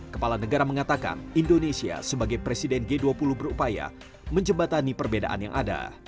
kepala negara mengatakan indonesia sebagai presiden g dua puluh berupaya menjembatani perbedaan yang ada